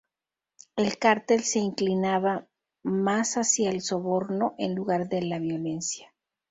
El cartel se inclinaba más hacia el soborno en lugar de la violencia.